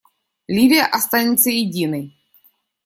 Ливия останется единой.